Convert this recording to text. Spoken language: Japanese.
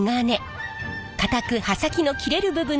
硬く刃先の切れる部分となる鋼。